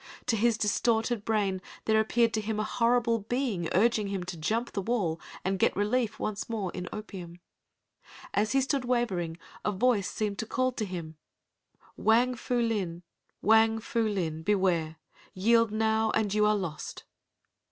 To his distorted brain there appeared to him a horrible being urging him to jump the wall and get relief once more in opium. As he stood wavering a voice seemed to call to him, "Wang Fu Lin, Wang Fu Lin, beware! Yield now and you are lost."